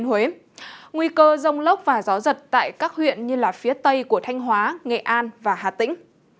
nguy cơ rông lốc và gió giật tại các huyện như phía tây của thanh hóa nghệ an và hà tĩnh